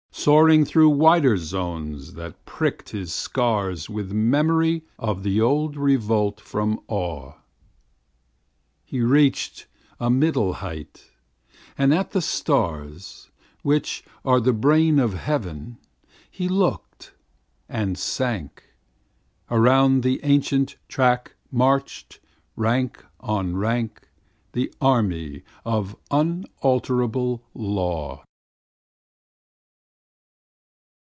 Soaring through wider zones that prick'd his scars With memory of the old revolt from Awe, He reach'd a middle height, and at the stars, Which are the brain of heaven, he look'd, and sank. Around the ancient track march'd, rank on rank, The army of unalterable law.